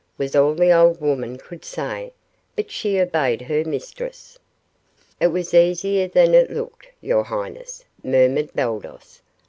was all the old woman could say, but she obeyed her mistress. "It was easier than it looked, your highness," murmured Baldos.